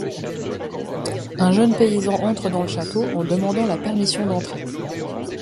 Un jeune paysan entre dans le château en demandant la permission d'entrer.